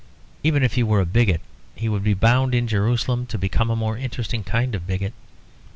Even if he were a bigot, he would be bound in Jerusalem to become a more interesting kind of bigot.